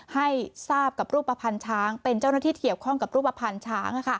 ให้ทราบกับรูปภัณฑ์ช้างเป็นเจ้าหน้าที่เกี่ยวข้องกับรูปภัณฑ์ช้าง